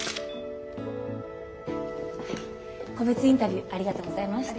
個別インタビューありがとうございました。